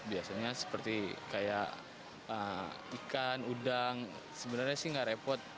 biasanya seperti kayak ikan udang sebenarnya sih nggak repot